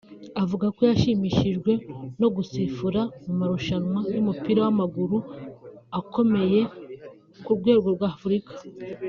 Avuga ko yashimishijwe no gusifura mu marushanwa y’umupira w’amaguru akomeye ku rwego rw’Afurika